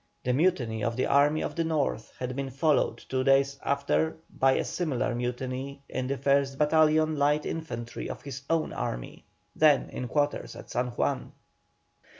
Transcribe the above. The mutiny of the Army of the North had been followed two days after by a similar mutiny in the 1st battalion light infantry of his own army, then in quarters at San Juan.